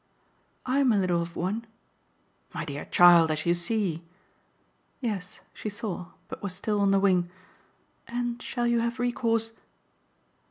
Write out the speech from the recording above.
"I'M a little of one?" "My dear child, as you see." Yes, she saw, but was still on the wing. "And shall you have recourse